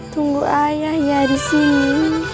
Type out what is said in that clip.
tunggu ayah ya di sini